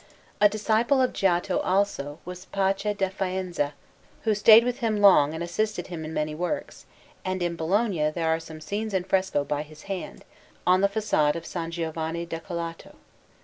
A disciple of Giotto, also, was Pace da Faenza, who stayed with him long and assisted him in many works; and in Bologna there are some scenes in fresco by his hand on the façade of S. Giovanni Decollato.